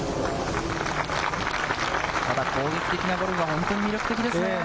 ただ攻撃的なゴルフが本当に魅力的ですよね。